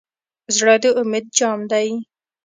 زړه د امید جام دی.